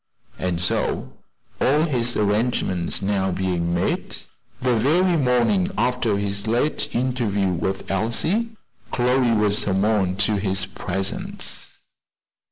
And so all his arrangements being now made the very morning after his late interview with Elsie, Chloe was summoned to his presence.